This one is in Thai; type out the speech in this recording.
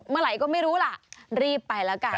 เมื่อไหร่ก็ไม่รู้ล่ะรีบไปแล้วกัน